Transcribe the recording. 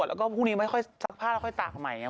ตรงนี้ไม่ค่อยซักผ้าก็ค่อยตากใหม่